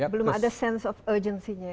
belum ada sense of urgency nya